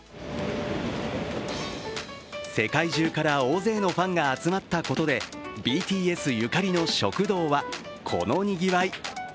世界中から大勢のファンが集まったことでＢＴＳゆかりの食堂はこのにぎわい。